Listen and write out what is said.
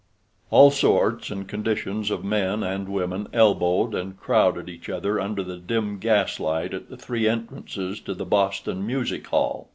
All sorts and conditions of men and women elbowed and crowded each other under the dim gaslight at the three entrances to the Boston Music Hall.